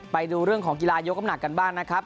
ไปดูเรื่องของกีฬายกน้ำหนักกันบ้างนะครับ